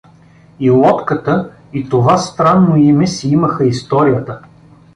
И лодката, и това странно име си имаха историята.